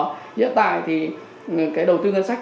nhưng hiện tại thì cái đầu tư ngân sách